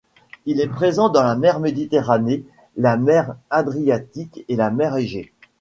Il est présent dans la mer Méditerranée, la mer Adriatique et la mer Égée.